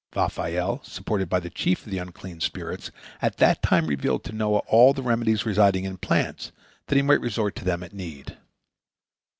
Raphael, supported by the chief of the unclean spirits, at that time revealed to Noah all the remedies residing in plants, that he might resort to them at need.